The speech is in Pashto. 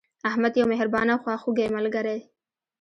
احمد یو مهربانه او خواخوږی ملګری